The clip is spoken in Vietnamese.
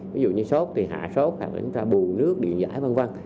ví dụ như sốt thì hạ sốt hoặc là chúng ta bù nước điện giải văn văn